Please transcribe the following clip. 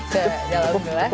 ke dalam gula